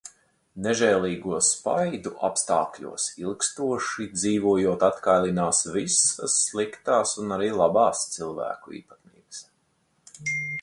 Nežēlīgo spaidu apstākļos ilgstoši dzīvojot atkailinās visas sliktās un arī labās cilvēku īpatnības.